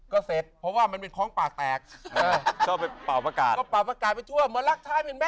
ก็เสร็จเพราะว่ามันเป็นคล้องปากแปรก